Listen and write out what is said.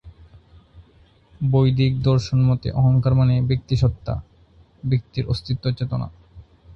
বৈদিক দর্শনমতে অহংকার মানে ব্যক্তি স্বত্তা, ব্যক্তির অস্তিত্ব চেতনা।